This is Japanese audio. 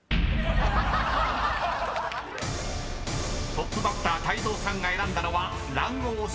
［トップバッター泰造さんが選んだのは］